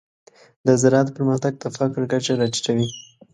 د زراعت پرمختګ د فقر کچه راټیټوي.